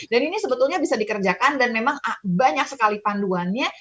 dan ini sebetulnya bisa dikerjakan dan memang banyak sekali panduannya